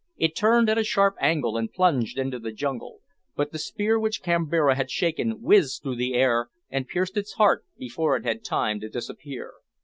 It turned at a sharp angle and plunged into the jungle, but the spear which Kambira had shaken whizzed though the air and pierced its heart before it had time to disappear.